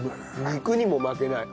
肉にも負けない。